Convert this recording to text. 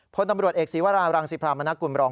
พลตำรวจเอกศีวรารังสิพรามนกุลบรอง